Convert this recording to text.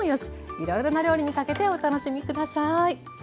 いろいろな料理にかけてお楽しみ下さい。